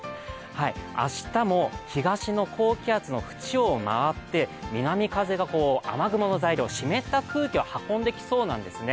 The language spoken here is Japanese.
明日も東の高気圧の縁を回って南風が雨雲材料、湿った空気を運んできそうなんですね。